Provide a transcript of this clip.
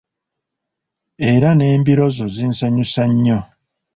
Era n'embira zo zinsanyusa nnyo!